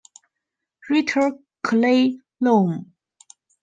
Rita Clay Loam.